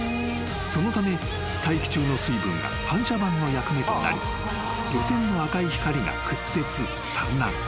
［そのため大気中の水分が反射板の役目となり漁船の赤い光が屈折散乱］